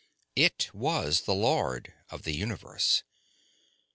It was the lord of the universe.